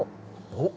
おっ。